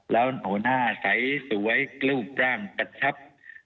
แล้วหน้าใสสวยกล้วปร่างปัดชับ